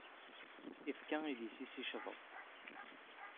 Ifka idis-is i ccḍef.